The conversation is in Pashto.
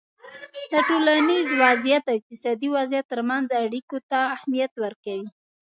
د ټولنیز وضععیت او اقتصادي وضعیت ترمنځ اړیکو ته اهمیت ورکوی